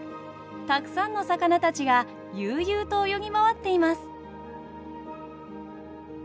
たくさんの魚たちが悠々と泳ぎ回っています。